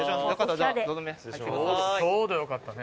ちょうどよかったね